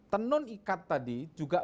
tenun ikat tadi juga